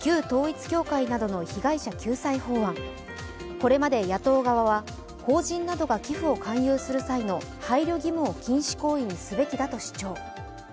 これまで野党側は法人などが寄付のときの配慮義務を禁止行為にすべきだと主張。